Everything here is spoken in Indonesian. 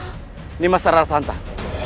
ini masalah raksasaan